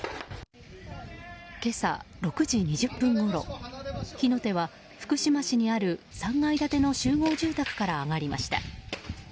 今朝６時２０分ごろ火の手は、福島市にある３階建ての集合住宅から上がりました。